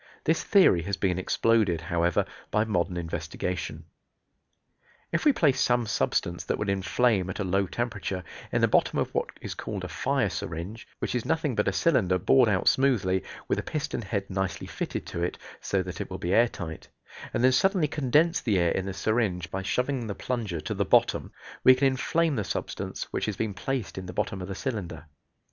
This theory has been exploded, however, by modern investigation. If we place some substance that will inflame at a low temperature in the bottom of what is called a fire syringe (which is nothing but a cylinder bored out smoothly, with a piston head nicely fitted to it, so that it will be air tight) and then suddenly condense the air in the syringe by shoving the plunger to the bottom, we can inflame the substance which has been placed in the bottom of the cylinder.